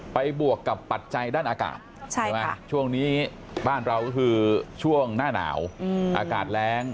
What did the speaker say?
บวกกับปัจจัยด้านอากาศช่วงนี้บ้านเราก็คือช่วงหน้าหนาวอากาศแรง